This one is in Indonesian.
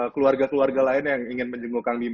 keluarga keluarga lain yang ingin menjenguk kang bima